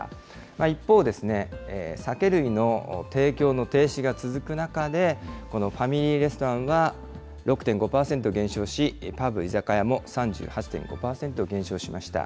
一方、酒類の提供の停止が続く中で、このファミリーレストランは６．５％減少し、パブ、居酒屋も３８．５％減少しました。